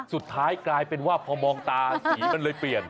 สุดท้ายกลายเป็นว่าพอมองตาสีมันเลยเปลี่ยน